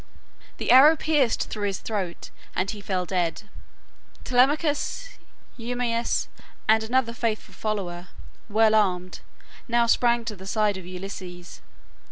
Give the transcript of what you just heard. The arrow pierced through his throat and he fell dead. Telemachus, Eumaeus, and another faithful follower, well armed, now sprang to the side of Ulysses.